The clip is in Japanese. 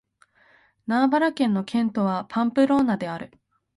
ナバーラ県の県都はパンプローナである